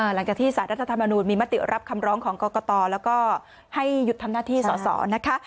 หลังจากที่สารรัฐธรรมนูญมีมติรับคำร้องของกรกตแล้วก็ให้หยุดทำหน้าที่สอสอนะคะ